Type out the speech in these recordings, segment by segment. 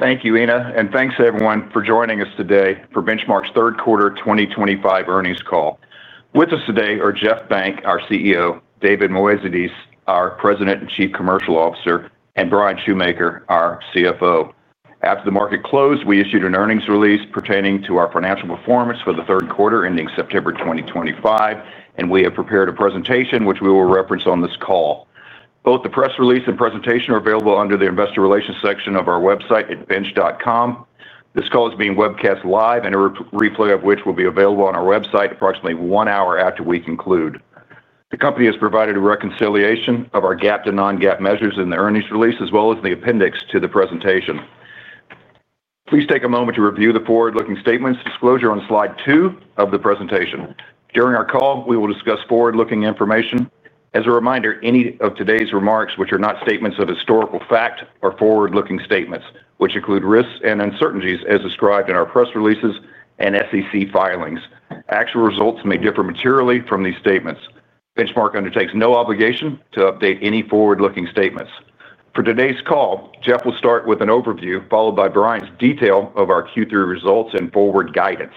Thank you, Ina, and thanks to everyone for joining us today for Benchmark's third quarter 2025 earnings call. With us today are Jeff Benck, our CEO; David Moezidis, our President and Chief Commercial Officer; and Bryan Schumaker, our CFO. After the market closed, we issued an earnings release pertaining to our financial performance for the third quarter ending September 2025, and we have prepared a presentation which we will reference on this call. Both the press release and presentation are available under the investor relations section of our website at benchmark.com. This call is being webcast live, and a replay of which will be available on our website approximately one hour after we conclude. The company has provided a reconciliation of our GAAP to non-GAAP measures in the earnings release, as well as the appendix to the presentation. Please take a moment to review the forward-looking statements disclosure on slide two of the presentation. During our call, we will discuss forward-looking information. As a reminder, any of today's remarks, which are not statements of historical fact, are forward-looking statements, which include risks and uncertainties as described in our press releases and SEC filings. Actual results may differ materially from these statements. Benchmark undertakes no obligation to update any forward-looking statements. For today's call, Jeff will start with an overview, followed by Bryan's detail of our Q3 results and forward guidance.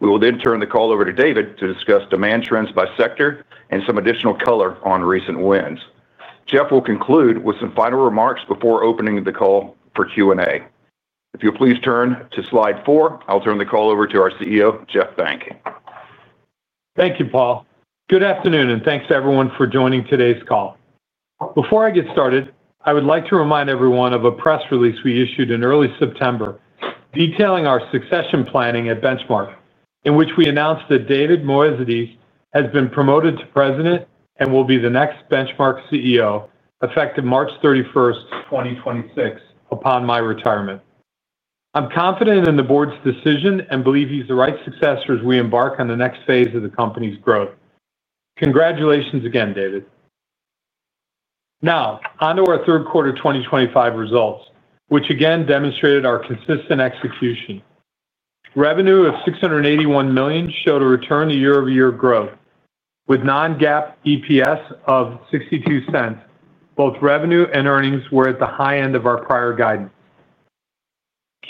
We will then turn the call over to David to discuss demand trends by sector and some additional color on recent wins. Jeff will conclude with some final remarks before opening the call for Q&A. If you'll please turn to slide four, I'll turn the call over to our CEO, Jeff Benck. Thank you, Paul. Good afternoon, and thanks to everyone for joining today's call. Before I get started, I would like to remind everyone of a press release we issued in early September. Detailing our succession planning at Benchmark, in which we announced that David Moezidis has been promoted to President and will be the next Benchmark's CEO effective March 31st, 2026, upon my retirement. I'm confident in the board's decision and believe he's the right successor as we embark on the next phase of the company's growth. Congratulations again, David. Now, onto our third quarter 2025 results, which again demonstrated our consistent execution. Revenue of $681 million showed a return to year-over-year growth, with non-GAAP EPS of $0.62. Both revenue and earnings were at the high end of our prior guidance.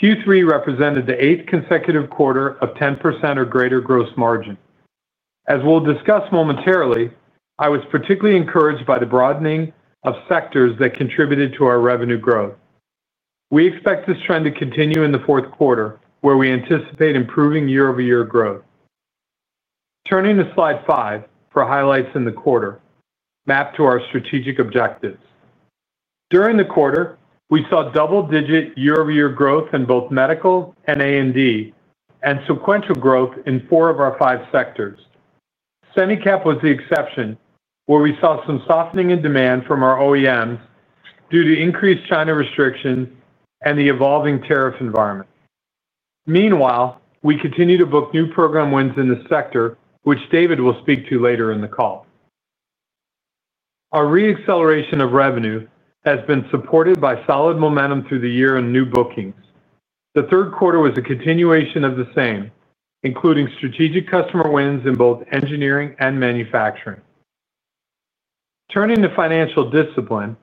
Q3 represented the eighth consecutive quarter of 10% or greater gross margin. As we'll discuss momentarily, I was particularly encouraged by the broadening of sectors that contributed to our revenue growth. We expect this trend to continue in the fourth quarter, where we anticipate improving year-over-year growth. Turning to slide 5 for highlights in the quarter, mapped to our strategic objectives. During the quarter, we saw double-digit year-over-year growth in both medical and A&D, and sequential growth in four of our five sectors. Semicap was the exception, where we saw some softening in demand from our OEMs due to increased China restrictions and the evolving tariff environment. Meanwhile, we continue to book new program wins in the sector, which David will speak to later in the call. Our re-acceleration of revenue has been supported by solid momentum through the year and new bookings. The third quarter was a continuation of the same, including strategic customer wins in both engineering and manufacturing. Turning to financial discipline,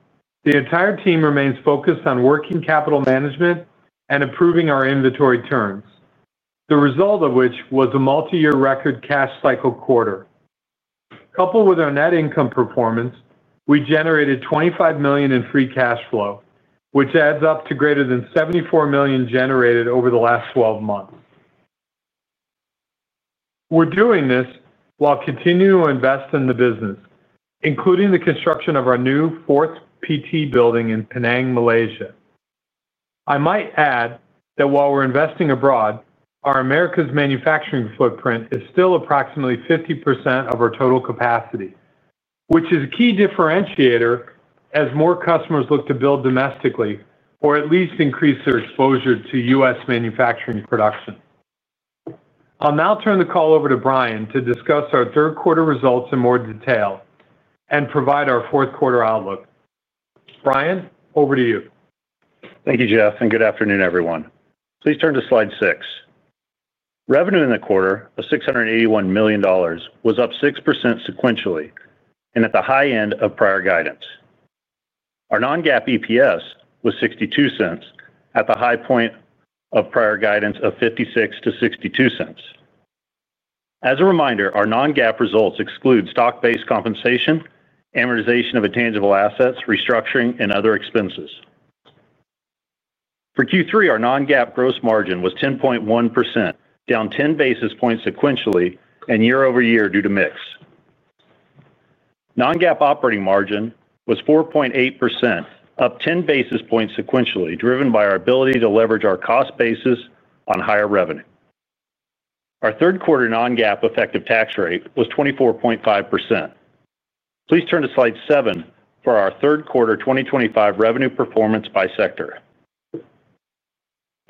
the entire team remains focused on working capital management and improving our inventory turns, the result of which was a multi-year record cash cycle quarter. Coupled with our net income performance, we generated $25 million in free cash flow, which adds up to greater than $74 million generated over the last 12 months. We're doing this while continuing to invest in the business. Including the construction of our new PT4 building in Penang, Malaysia. I might add that while we're investing abroad, our Americas manufacturing footprint is still approximately 50% of our total capacity, which is a key differentiator as more customers look to build domestically or at least increase their exposure to U.S. manufacturing production. I'll now turn the call over to Bryan to discuss our third quarter results in more detail and provide our fourth quarter outlook. Bryan, over to you. Thank you, Jeff, and good afternoon, everyone. Please turn to slide 6. Revenue in the quarter of $681 million was up 6% sequentially and at the high end of prior guidance. Our non-GAAP EPS was $0.62 at the high point of prior guidance of $0.56-$0.62. As a reminder, our non-GAAP results exclude stock-based compensation, amortization of intangible assets, restructuring, and other expenses. For Q3, our non-GAAP gross margin was 10.1%, down 10 basis points sequentially and year-over-year due to mix. Non-GAAP operating margin was 4.8%, up 10 basis points sequentially, driven by our ability to leverage our cost basis on higher revenue. Our third quarter non-GAAP effective tax rate was 24.5%. Please turn to slide seven for our third quarter 2025 revenue performance by sector.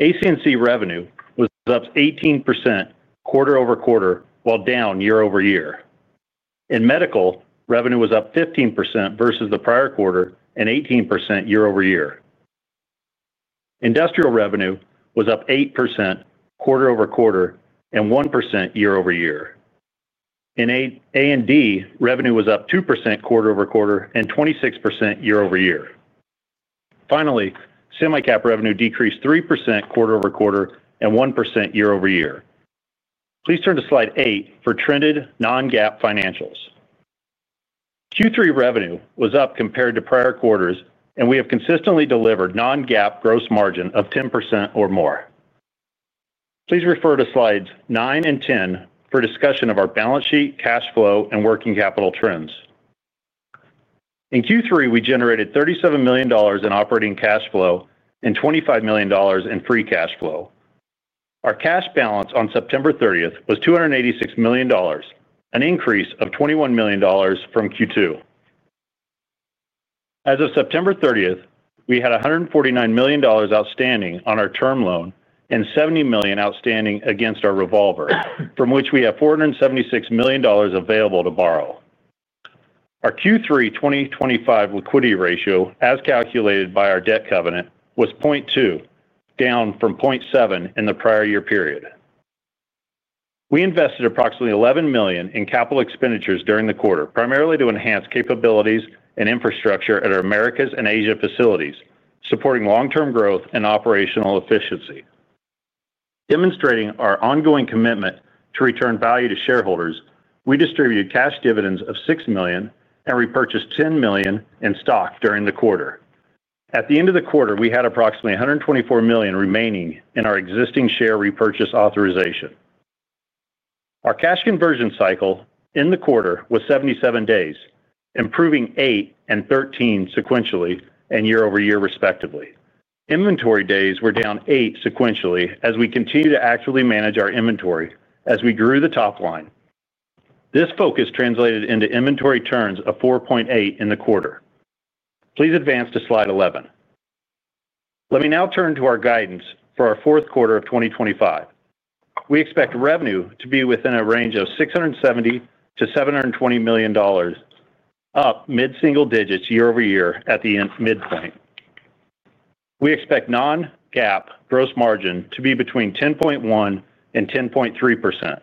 AC&C revenue was up 18% quarter-over-quarter while down year-over-year. In medical, revenue was up 15% versus the prior quarter and 18% year-over-year. Industrial revenue was up 8% quarter-over-quarter and 1% year-over-year. In A&D, revenue was up 2% quarter-over-quarter and 26% year-over-year. Finally, Semicap revenue decreased 3% quarter-over-quarter and 1% year-over-year. Please turn to slide 8 for trended non-GAAP financials. Q3 revenue was up compared to prior quarters, and we have consistently delivered non-GAAP gross margin of 10% or more. Please refer to slides 9 and 10 for discussion of our balance sheet, cash flow, and working capital trends. In Q3, we generated $37 million in operating cash flow and $25 million in free cash flow. Our cash balance on September 30th was $286 million, an increase of $21 million from Q2. As of September 30th, we had $149 million outstanding on our term loan and $70 million outstanding against our revolver, from which we have $476 million available to borrow. Our Q3 2025 liquidity ratio, as calculated by our debt covenant, was 0.2, down from 0.7 in the prior year period. We invested approximately $11 million in capital expenditures during the quarter, primarily to enhance capabilities and infrastructure at our Americas and Asia facilities, supporting long-term growth and operational efficiency. Demonstrating our ongoing commitment to return value to shareholders, we distributed cash dividends of $6 million and repurchased $10 million in stock during the quarter. At the end of the quarter, we had approximately $124 million remaining in our existing share repurchase authorization. Our cash conversion cycle in the quarter was 77 days, improving eight and 13 sequentially and year-over-year respectively. Inventory days were down eight sequentially as we continue to actively manage our inventory as we grew the top line. This focus translated into inventory turns of 4.8 in the quarter. Please advance to slide 11. Let me now turn to our guidance for our fourth quarter of 2025. We expect revenue to be within a range of $670 million-$720 million. Up mid-single digits year-over-year at the midpoint. We expect non-GAAP gross margin to be between 10.1%-10.3%.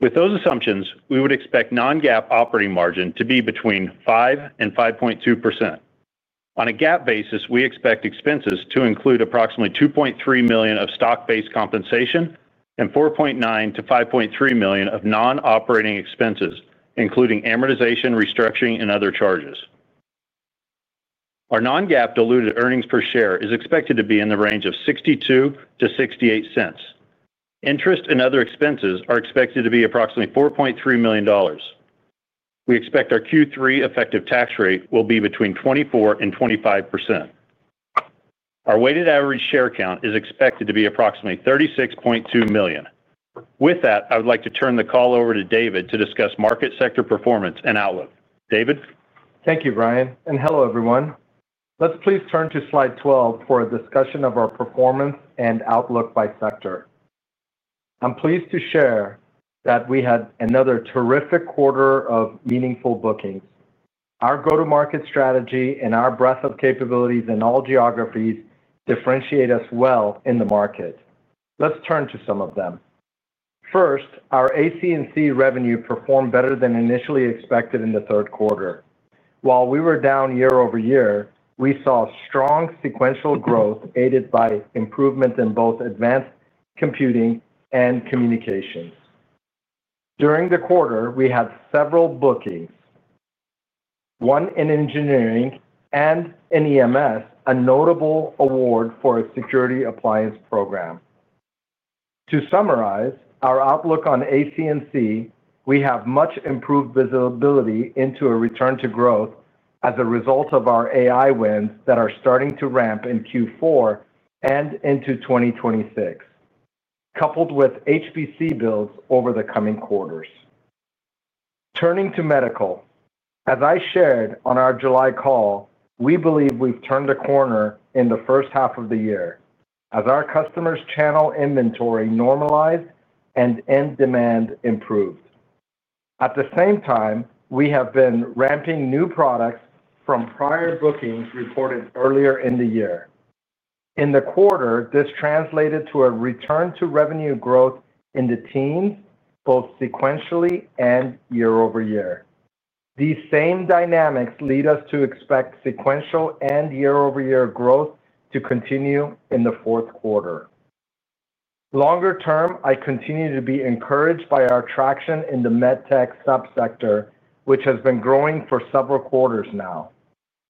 With those assumptions, we would expect non-GAAP operating margin to be between 5%-5.2%. On a GAAP basis, we expect expenses to include approximately $2.3 million of stock-based compensation and $4.9 million-$5.3 million of non-operating expenses, including amortization, restructuring, and other charges. Our non-GAAP diluted earnings per share is expected to be in the range of $0.62-$0.68. Interest and other expenses are expected to be approximately $4.3 million. We expect our Q3 effective tax rate will be between 24%-25%. Our weighted average share count is expected to be approximately 36.2 million. With that, I would like to turn the call over to David to discuss market sector performance and outlook. David. Thank you, Bryan. Hello, everyone. Let's please turn to slide 12 for a discussion of our performance and outlook by sector. I'm pleased to share that we had another terrific quarter of meaningful bookings. Our go-to-market strategy and our breadth of capabilities in all geographies differentiate us well in the market. Let's turn to some of them. First, our AC&C revenue performed better than initially expected in the third quarter. While we were down year-over-year, we saw strong sequential growth aided by improvements in both advanced computing and communications. During the quarter, we had several bookings. One in engineering and in EMS, a notable award for a security appliance program. To summarize our outlook on AC&C, we have much improved visibility into a return to growth as a result of our AI wins that are starting to ramp in Q4 and into 2026. Coupled with HBC builds over the coming quarters. Turning to medical, as I shared on our July call, we believe we've turned a corner in the first half of the year as our customers' channel inventory normalized and end demand improved. At the same time, we have been ramping new products from prior bookings reported earlier in the year. In the quarter, this translated to a return to revenue growth in the teams, both sequentially and year-over-year. These same dynamics lead us to expect sequential and year-over-year growth to continue in the fourth quarter. Longer term, I continue to be encouraged by our traction in the medtech subsector, which has been growing for several quarters now.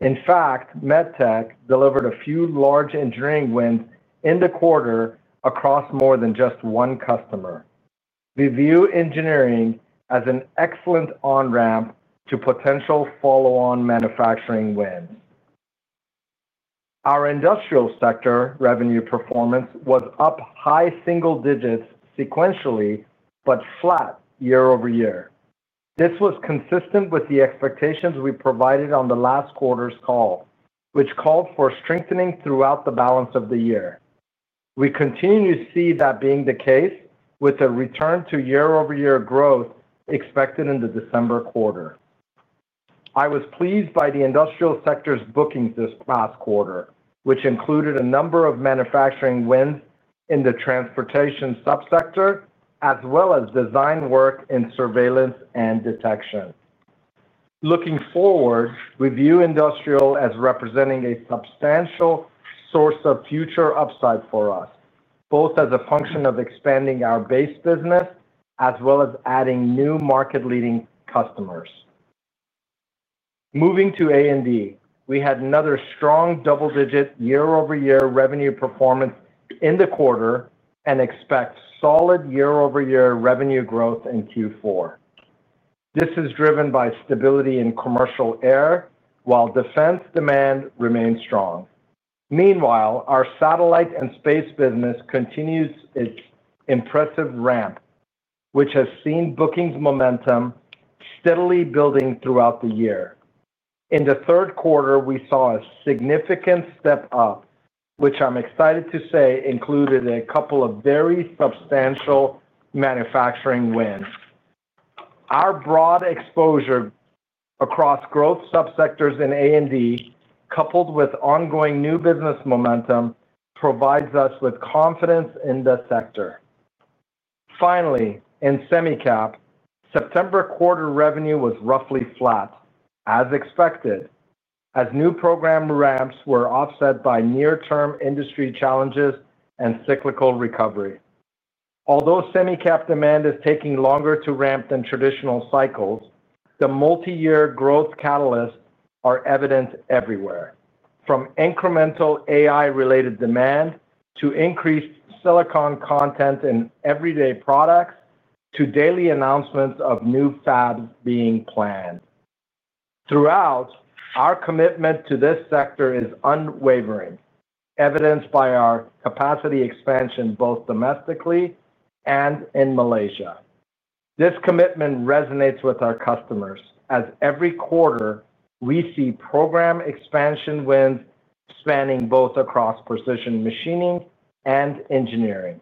In fact, medtech delivered a few large engineering wins in the quarter across more than just one customer. We view engineering as an excellent on-ramp to potential follow-on manufacturing wins. Our industrial sector revenue performance was up high single digits sequentially but flat year-over-year. This was consistent with the expectations we provided on the last quarter's call, which called for strengthening throughout the balance of the year. We continue to see that being the case with a return to year-over-year growth expected in the December quarter. I was pleased by the industrial sector's bookings this past quarter, which included a number of manufacturing wins in the transportation subsector as well as design work in surveillance and detection. Looking forward, we view industrial as representing a substantial source of future upside for us, both as a function of expanding our base business as well as adding new market-leading customers. Moving to A&D, we had another strong double-digit year-over-year revenue performance in the quarter and expect solid year-over-year revenue growth in Q4. This is driven by stability in commercial air while defense demand remains strong. Meanwhile, our satellite and space business continues its impressive ramp, which has seen bookings momentum steadily building throughout the year. In the third quarter, we saw a significant step up, which I'm excited to say included a couple of very substantial manufacturing wins. Our broad exposure across growth subsectors in A&D, coupled with ongoing new business momentum, provides us with confidence in the sector. Finally, in Semicap, September quarter revenue was roughly flat, as expected, as new program ramps were offset by near-term industry challenges and cyclical recovery. Although Semicap demand is taking longer to ramp than traditional cycles, the multi-year growth catalysts are evident everywhere, from incremental AI-related demand to increased silicon content in everyday products to daily announcements of new fabs being planned. Throughout, our commitment to this sector is unwavering, evidenced by our capacity expansion both domestically and in Malaysia. This commitment resonates with our customers as every quarter we see program expansion wins spanning both across precision machining and engineering.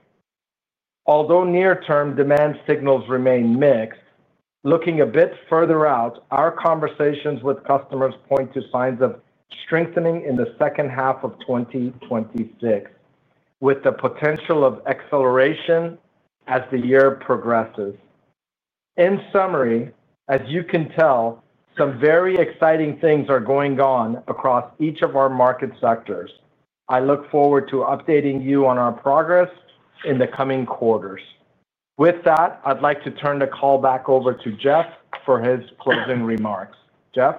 Although near-term demand signals remain mixed, looking a bit further out, our conversations with customers point to signs of strengthening in the second half of 2026, with the potential of acceleration as the year progresses. In summary, as you can tell, some very exciting things are going on across each of our market sectors. I look forward to updating you on our progress in the coming quarters. With that, I'd like to turn the call back over to Jeff for his closing remarks. Jeff?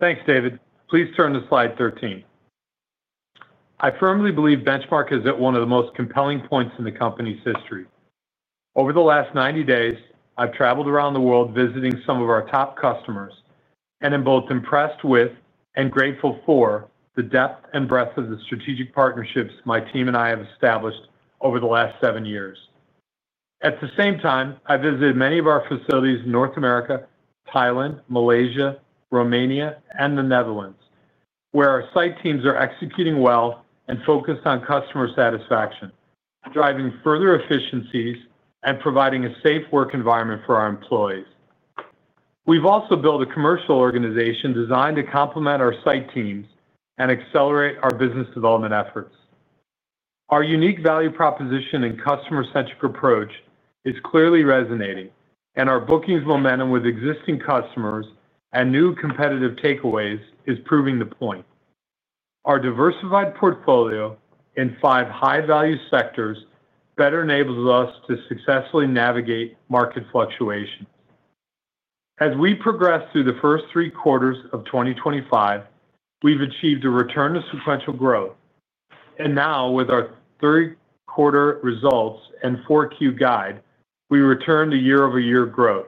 Thanks, David. Please turn to slide 13. I firmly believe Benchmark is at one of the most compelling points in the company's history. Over the last 90 days, I've traveled around the world visiting some of our top customers and am both impressed with and grateful for the depth and breadth of the strategic partnerships my team and I have established over the last seven years. At the same time, I visited many of our facilities in North America, Thailand, Malaysia, Romania, and the Netherlands, where our site teams are executing well and focused on customer satisfaction, driving further efficiencies and providing a safe work environment for our employees. We've also built a commercial organization designed to complement our site teams and accelerate our business development efforts. Our unique value proposition and customer-centric approach is clearly resonating, and our bookings momentum with existing customers and new competitive takeaways is proving the point. Our diversified portfolio in five high-value sectors better enables us to successfully navigate market fluctuations. As we progress through the first three quarters of 2025, we've achieved a return to sequential growth, and now, with our third quarter results and 4Q guide, we return to year-over-year growth.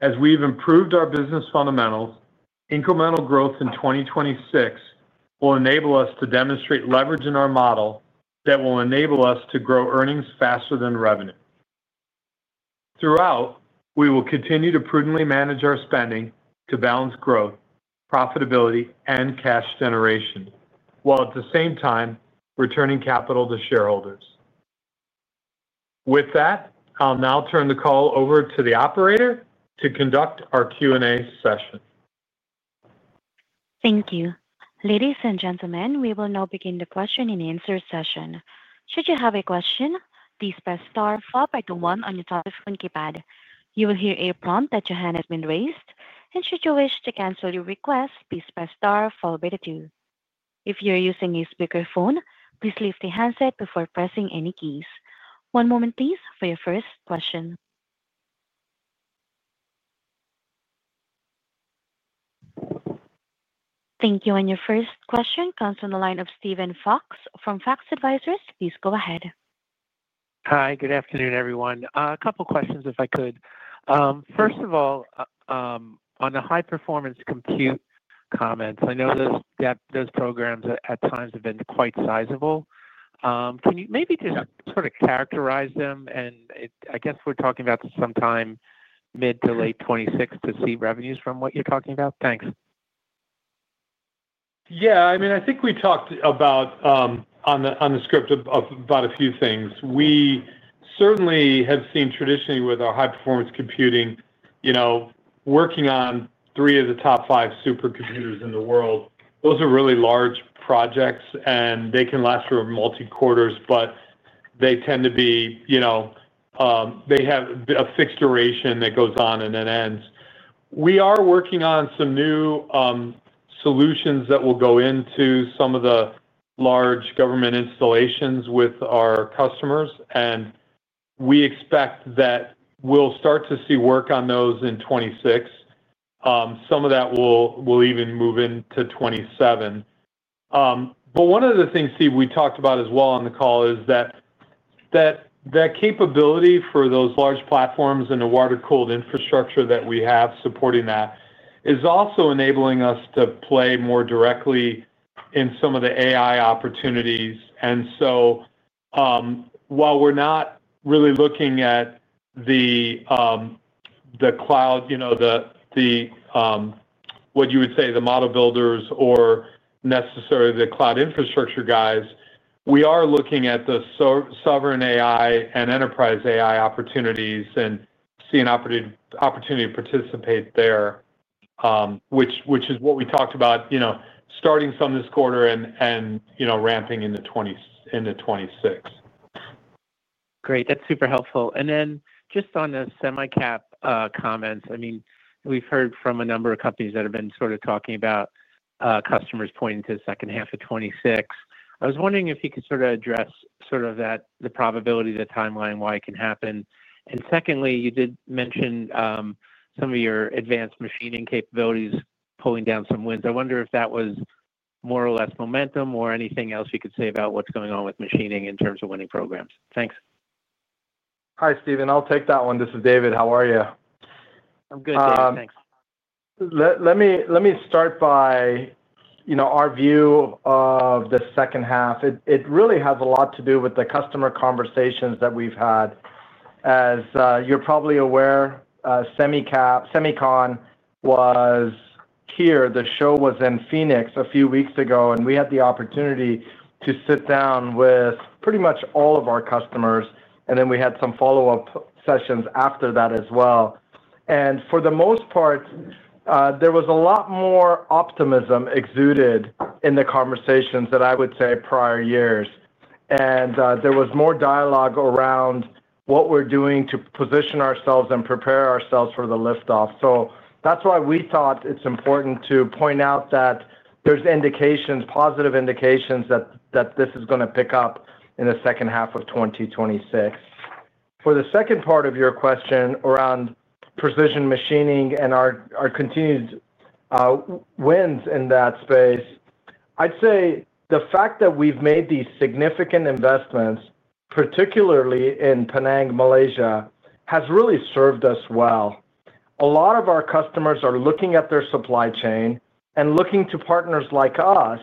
As we've improved our business fundamentals, incremental growth in 2026 will enable us to demonstrate leverage in our model that will enable us to grow earnings faster than revenue. Throughout, we will continue to prudently manage our spending to balance growth, profitability, and cash generation, while at the same time returning capital to shareholders. With that, I'll now turn the call over to the operator to conduct our Q&A session. Thank you. Ladies and gentlemen, we will now begin the question-and-answer session. Should you have a question, please press star followed by the one on your telephone keypad. You will hear a prompt that your hand has been raised. And should you wish to cancel your request, please press star followed by the two. If you're using a speakerphone, please lift the handset before pressing any keys. One moment, please, for your first question. Thank you. And your first question comes from the line of Steven Fox from Fox Advisors. Please go ahead. Hi. Good afternoon, everyone. A couple of questions, if I could. First of all. On the high-performance compute comments, I know those programs at times have been quite sizable. Can you maybe just sort of characterize them? And I guess we're talking about sometime mid- to late 2026 to see revenues from what you're talking about. Thanks. Yeah. I mean, I think we talked about on the script of about a few things. We certainly have seen traditionally with our high-performance computing, working on three of the top five supercomputers in the world. Those are really large projects, and they can last for multi-quarters, but they tend to be. They have a fixed duration that goes on and then ends. We are working on some new solutions that will go into some of the large government installations with our customers, and we expect that we'll start to see work on those in 2026. Some of that will even move into 2027. But one of the things, Steve, we talked about as well on the call is that the capability for those large platforms and the water-cooled infrastructure that we have supporting that is also enabling us to play more directly in some of the AI opportunities. And so, while we're not really looking at the cloud, the what you would say, the model builders or necessarily the cloud infrastructure guys, we are looking at the sovereign AI and enterprise AI opportunities and see an opportunity to participate there, which is what we talked about, starting some this quarter and ramping into 2026. Great. That's super helpful. And then just on the semicap comments, I mean, we've heard from a number of companies that have been sort of talking about customers pointing to the second half of 2026. I was wondering if you could sort of address sort of the probability, the timeline, why it can happen. And secondly, you did mention some of your advanced machining capabilities pulling down some wins. I wonder if that was more or less momentum or anything else you could say about what's going on with machining in terms of winning programs. Thanks. Hi, Steven. I'll take that one. This is David. How are you? I'm good. Thanks. Let me start by our view of the second half. It really has a lot to do with the customer conversations that we've had. As you're probably aware, SEMICON was here. The show was in Phoenix a few weeks ago, and we had the opportunity to sit down with pretty much all of our customers, and then we had some follow-up sessions after that as well, and for the most part there was a lot more optimism exuded in the conversations that I would say prior years, and there was more dialogue around what we're doing to position ourselves and prepare ourselves for the lift-off, so that's why we thought it's important to point out that there's indications, positive indications, that this is going to pick up in the second half of 2026. For the second part of your question around precision machining and our continued wins in that space, I'd say the fact that we've made these significant investments, particularly in Penang, Malaysia, has really served us well. A lot of our customers are looking at their supply chain and looking to partners like us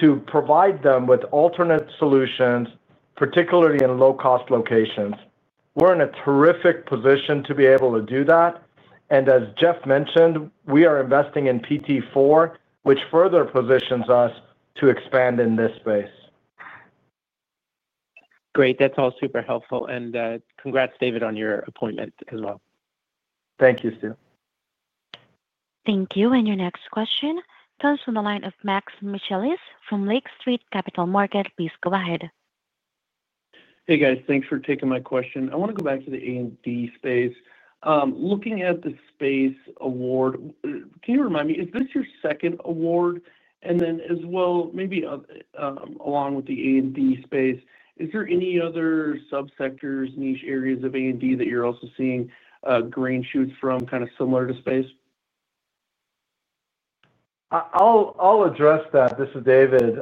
to provide them with alternate solutions, particularly in low-cost locations. We're in a terrific position to be able to do that, and as Jeff mentioned, we are investing in PT4, which further positions us to expand in this space. Great. That's all super helpful. And congrats, David, on your appointment as well. Thank you, Steve. Thank you. And your next question comes from the line of Max Michaelis from Lake Street Capital Markets. Please go ahead. Hey, guys. Thanks for taking my question. I want to go back to the A&D space. Looking at the Space Award, can you remind me, is this your second award? And then as well, maybe. Along with the A&D space, is there any other subsectors, niche areas of A&D that you're also seeing green shoots from kind of similar to Space? I'll address that. This is David.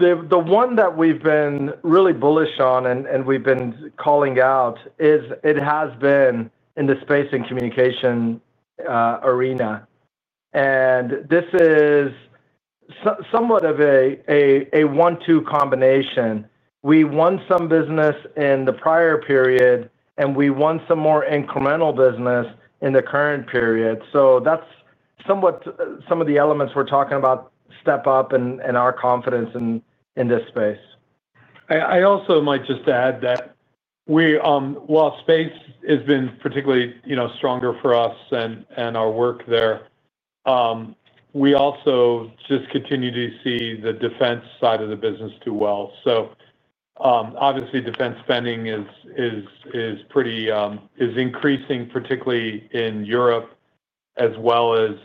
The one that we've been really bullish on and we've been calling out is. It has been in the space and communications arena. And this is somewhat of a one-two combination. We won some business in the prior period, and we won some more incremental business in the current period. So that's some of the elements we're talking about step up and our confidence in this space. I also might just add that. While space has been particularly stronger for us and our work there, we also just continue to see the defense side of the business do well. So, obviously, defense spending is pretty increasing, particularly in Europe as well as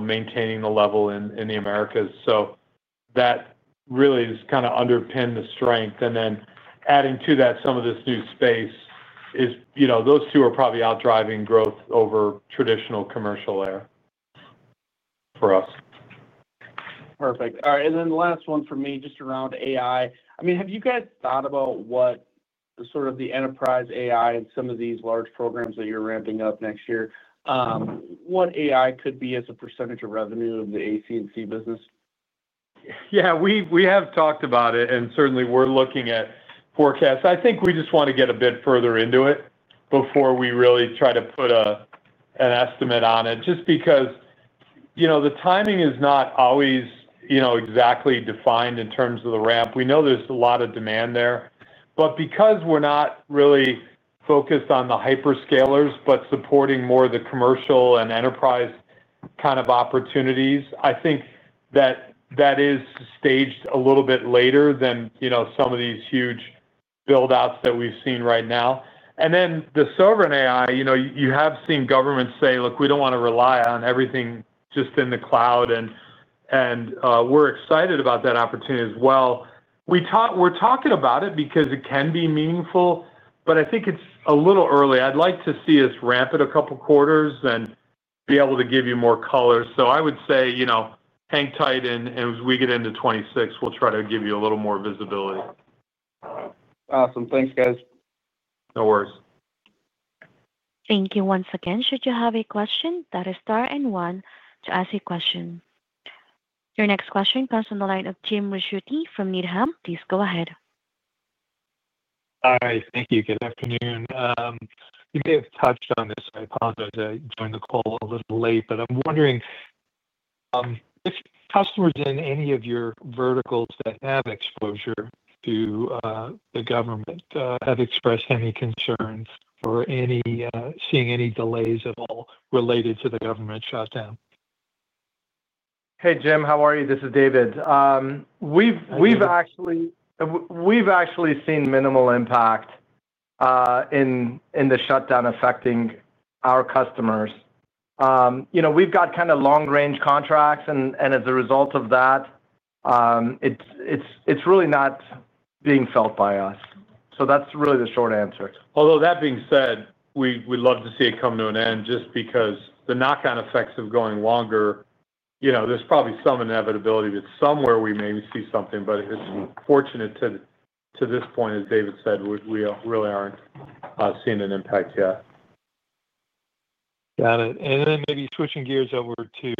maintaining the level in the Americas. So that really is kind of underpinned the strength. And then adding to that, some of this new space is those two are probably outdriving growth over traditional commercial air for us. Perfect. All right. And then the last one for me, just around AI. I mean, have you guys thought about what sort of the enterprise AI and some of these large programs that you're ramping up next year, what AI could be as a percentage of revenue of the AC&C business? Yeah. We have talked about it, and certainly we're looking at forecasts. I think we just want to get a bit further into it before we really try to put an estimate on it, just because the timing is not always exactly defined in terms of the ramp. We know there's a lot of demand there. But because we're not really focused on the hyperscalers, but supporting more of the commercial and enterprise kind of opportunities, I think that that is staged a little bit later than some of these huge buildouts that we've seen right now. And then the sovereign AI, you have seen governments say, "Look, we don't want to rely on everything just in the cloud." And we're excited about that opportunity as well. We're talking about it because it can be meaningful, but I think it's a little early. I'd like to see us ramp it a couple of quarters and be able to give you more color. So I would say hang tight, and as we get into 2026, we'll try to give you a little more visibility. Awesome. Thanks, guys. No worries. Thank you once again. Should you have a question, that is star and one to ask a question. Your next question comes from the line of Jim Ricchiuti from Needham. Please go ahead. Hi. Thank you. Good afternoon. You may have touched on this. I apologize. I joined the call a little late, but I'm wondering if customers in any of your verticals that have exposure to the government have expressed any concerns or seeing any delays at all related to the government shutdown? Hey, Jim. How are you? This is David. We've actually seen minimal impact in the shutdown affecting our customers. We've got kind of long-range contracts, and as a result of that, it's really not being felt by us. So that's really the short answer. Although that being said, we'd love to see it come to an end just because the knock-on effects of going longer, there's probably some inevitability that somewhere we may see something. But fortunately to this point, as David said, we really aren't seeing an impact yet. Got it. And then maybe switching gears over to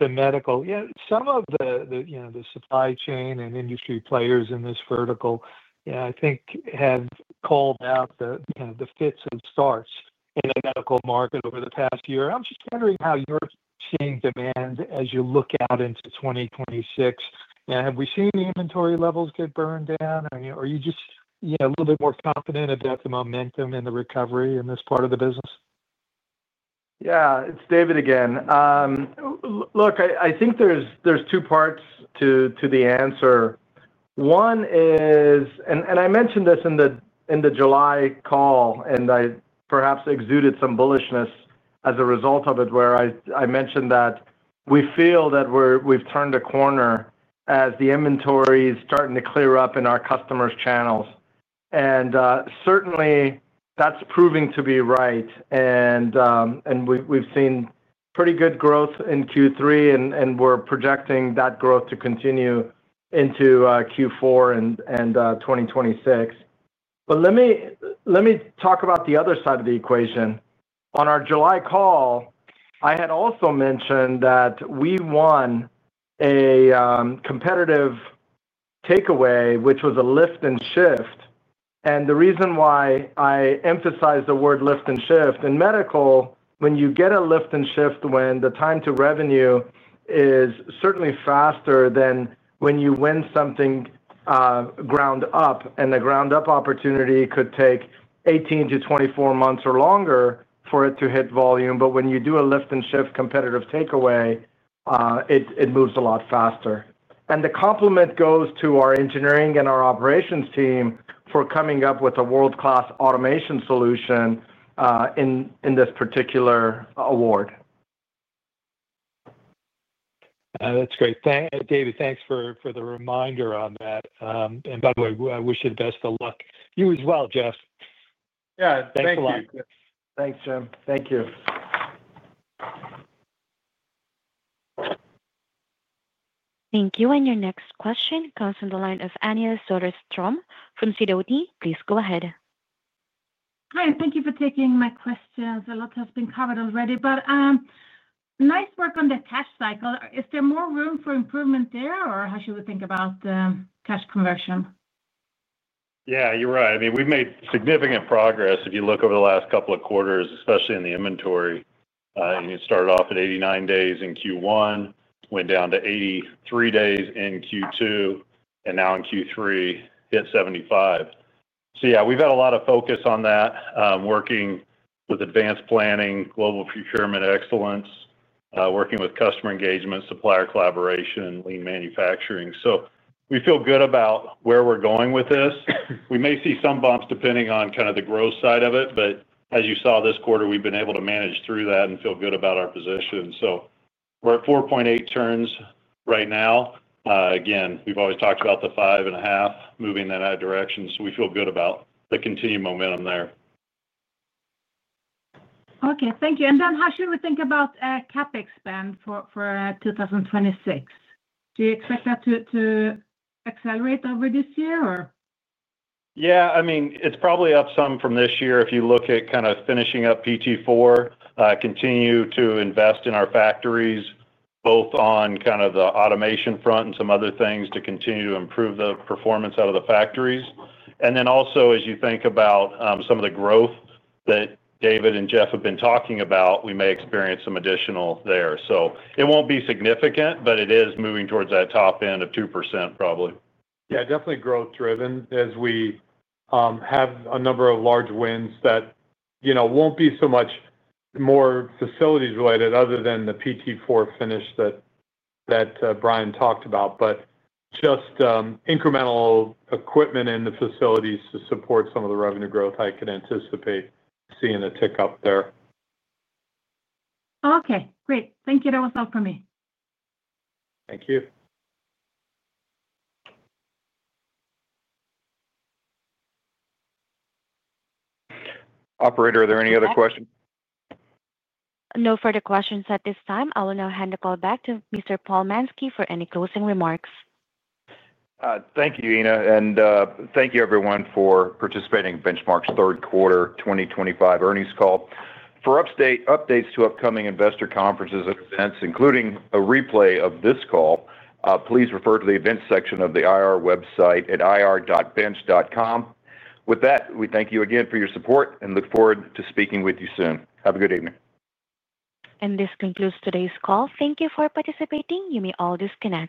the medical. Yeah. Some of the supply chain and industry players in this vertical, yeah, I think have called out the fits and starts in the medical market over the past year. I'm just wondering how you're seeing demand as you look out into 2026. And have we seen the inventory levels get burned down? Are you just a little bit more confident about the momentum and the recovery in this part of the business? Yeah. It's David again. Look, I think there's two parts to the answer. One is. And I mentioned this in the July call, and I perhaps exuded some bullishness as a result of it, where I mentioned that we feel that we've turned a corner as the inventory is starting to clear up in our customers' channels. And certainly, that's proving to be right. And we've seen pretty good growth in Q3, and we're projecting that growth to continue into Q4 and 2026. But let me talk about the other side of the equation. On our July call, I had also mentioned that we won a competitive takeaway, which was a lift and shift. And the reason why I emphasize the word lift and shift in medical, when you get a lift and shift when the time to revenue is certainly faster than when you win something ground up, and the ground up opportunity could take 18 to 24 months or longer for it to hit volume. But when you do a lift and shift competitive takeaway. It moves a lot faster. And the compliment goes to our engineering and our operations team for coming up with a world-class automation solution in this particular award. That's great. David, thanks for the reminder on that. And by the way, we wish you the best of luck. You as well, Jeff. Yeah. Thank you. Thanks a lot. Thanks, Jim. Thank you. Thank you. And your next question comes from the line of Anja Soderstrom from Sidoti. Please go ahead. Hi. Thank you for taking my question. A lot has been covered already, but nice work on the cash cycle. Is there more room for improvement there, or how should we think about cash conversion? Yeah, you're right. I mean, we've made significant progress if you look over the last couple of quarters, especially in the inventory. And you started off at 89 days in Q1, went down to 83 days in Q2, and now in Q3 hit 75. So yeah, we've had a lot of focus on that, working with advanced planning, global procurement excellence, working with customer engagement, supplier collaboration, lean manufacturing. So we feel good about where we're going with this. We may see some bumps depending on kind of the growth side of it, but as you saw this quarter, we've been able to manage through that and feel good about our position. So we're at 4.8 turns right now. Again, we've always talked about the five and a half moving in that direction. So we feel good about the continued momentum there. Okay. Thank you and then how should we think about CapEx spend for 2026? Do you expect that to accelerate over this year, or? Yeah. I mean, it's probably up some from this year if you look at kind of finishing up PT4, continue to invest in our factories, both on kind of the automation front and some other things to continue to improve the performance out of the factories. And then also, as you think about some of the growth that David and Jeff have been talking about, we may experience some additional there. So it won't be significant, but it is moving towards that top end of 2%, probably. Yeah. Definitely growth-driven as we have a number of large wins that won't be so much more facilities related other than the PT4 finish that Bryan talked about, but just incremental equipment in the facilities to support some of the revenue growth I could anticipate seeing a tick up there. Okay. Great. Thank you. That was all from me. Thank you. Operator, are there any other questions? No further questions at this time. I will now hand the call back to Mr. Paul Mansky for any closing remarks. Thank you, Ina. And thank you, everyone, for participating in Benchmark's third quarter 2025 earnings call. For updates to upcoming investor conferences and events, including a replay of this call, please refer to the events section of the IR website at ir.benchmark.com. With that, we thank you again for your support and look forward to speaking with you soon. Have a good evening. This concludes today's call. Thank you for participating. You may all disconnect.